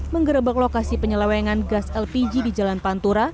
menggerebek lokasi penyelewengan gas lpg di jalan pantura